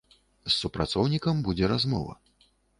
З супрацоўнікам будзе размова.